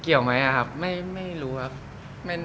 เกี่ยวไหมครับไม่รู้ครับ